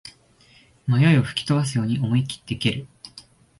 迷いを吹き飛ばすように思いきって蹴る